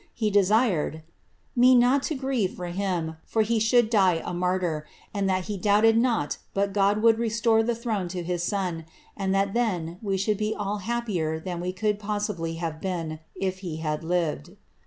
He desired ^ me not to grieve for him, for he it die a martyr; and that he doubted not but God would restore the tl to his son, and that then we should be all happier than we could { bly have been, if he had lived.'